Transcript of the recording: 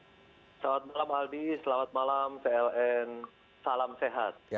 selamat malam aldi selamat malam pln salam sehat